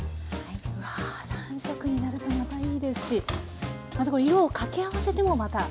うわあ３色になるとまたいいですしまたこれ色を掛け合わせてもまた。